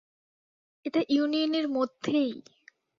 এটা ইউনিয়ন এর মধ্যেই!